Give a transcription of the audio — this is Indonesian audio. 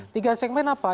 tiga segmen apa